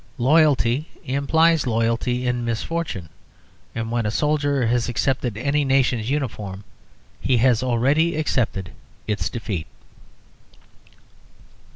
Loyalty implies loyalty in misfortune; and when a soldier has accepted any nation's uniform he has already accepted its defeat.